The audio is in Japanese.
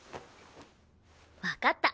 わかった。